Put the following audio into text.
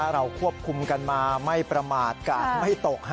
เราควบคุมกันมาไม่ประมาทกาดไม่ตก